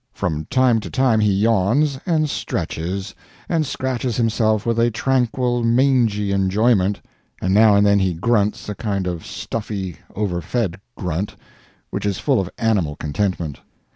From time to time he yawns, and stretches, and scratches himself with a tranquil, mangy enjoyment, and now and then he grunts a kind of stuffy, overfed grunt, which is full of animal contentment.